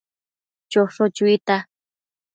Chosho chuita